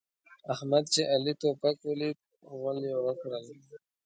احمد چې علي توپک وليد؛ غول يې وکړل.